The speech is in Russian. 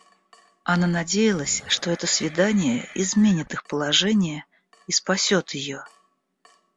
Она надеялась, что это свидание изменит их положение и спасет ее.